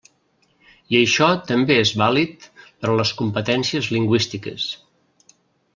I això també és vàlid per a les competències lingüístiques.